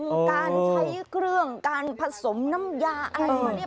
การใช้เครื่องการผสมน้ำยาอะไรมาเนี่ย